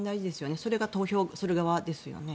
それが投票する側ですよね。